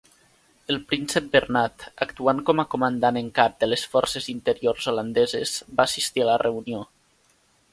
El príncep Bernat, actuant com a comandant en cap de les Forces Interiors Holandeses, va assistir a la reunió.